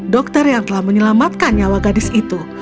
dokter yang telah menyelamatkan nyawa gadis itu